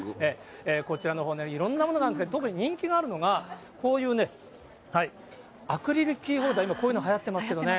こちらのほうね、いろんなものがあるんですけど、特に人気のあるのがこういうね、アクリルキーホルダー、今、こういうのはやってますけどね。